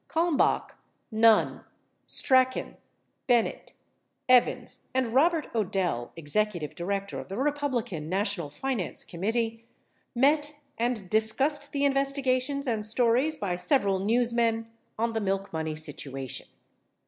Kalmbach, Nunn, Strachan, Bennett, Evans, and Bobert Odell (executive director of the Republican National Finance Committee) met and discussed the investigations and stories by several newsmen on the milk money situation.